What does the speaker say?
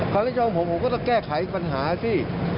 คนที่ชอบผมก็ต้องแก้ไขปัญหาสิ